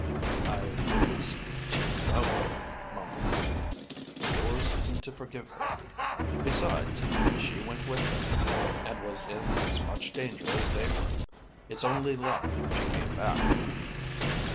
"I wouldn't speak too loudly," mumbled the mate. "Yours isn't to forgive her. Besides, she went with them, and was in as much danger as they were. It's only luck she came back."